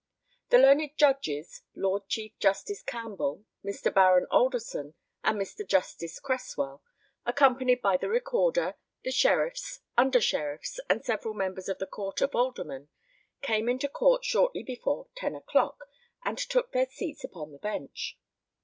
The learned Judges, Lord Chief Justice Campbell, Mr. Baron Alderson, and Mr. Justice Cresswell, accompanied by the Recorder, the Sheriffs, Under Sheriffs, and several members of the Court of Aldermen, came into court shortly before 10 o'clock, and took their seats upon the bench.